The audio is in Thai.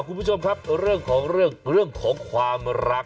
คุณผู้ชมครับเรื่องของความรัก